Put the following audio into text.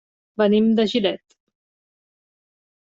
Venim de Gilet.